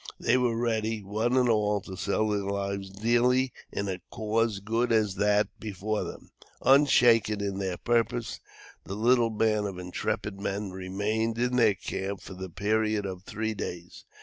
They were ready, one and all, to sell their lives dearly in a cause good as that before them. Unshaken in their purpose, the little band of intrepid men remained in their camp for the period of three days.